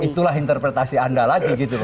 itulah interpretasi anda lagi gitu loh